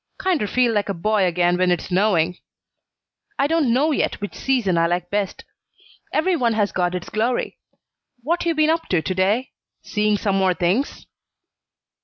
Kinder feel like a boy again when it's snowing. I don't know yet which season I like best. Every one has got its glory. What you been up to to day? Seeing some more things?"